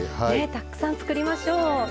たくさん作りましょう。